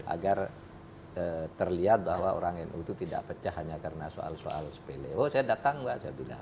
agar terlihat bahwa orang nu itu tidak pecah hanya karena soal soal sepele oh saya datang mbak saya bilang